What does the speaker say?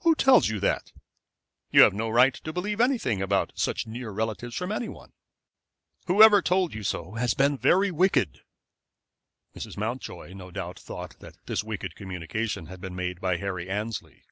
"Who tells you that? You have no right to believe anything about such near relatives from any one. Whoever told you so has been very wicked." Mrs. Mountjoy no doubt thought that this wicked communication had been made by Harry Annesley.